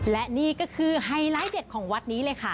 และนี่ก็คือไฮไลท์เด็ดของวัดนี้เลยค่ะ